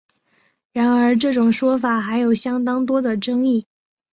然而这种说法还有相当多的争议。